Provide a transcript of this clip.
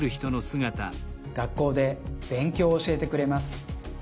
学校で勉強を教えてくれます。